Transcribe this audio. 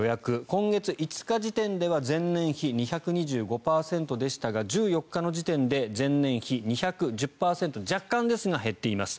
今月５日時点では前年比２２５％でしたが１４日の時点で前年比２１０％若干ですが減っています。